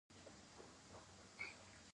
خو پۀ ځينې اختلافي پوسټونو